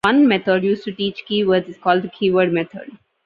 One method used to teach keywords is called the keyword method.